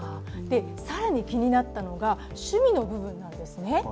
更に気になったのが、趣味の部分なんですね。